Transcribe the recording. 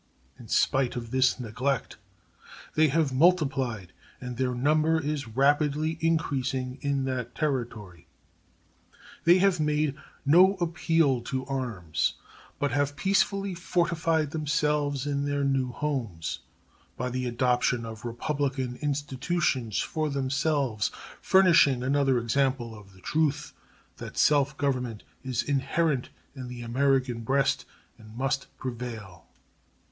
In spite of this neglect they have multiplied, and their number is rapidly increasing in that Territory. They have made no appeal to arms, but have peacefully fortified themselves in their new homes by the adoption of republican institutions for themselves, furnishing another example of the truth that self government is inherent in the American breast and must prevail.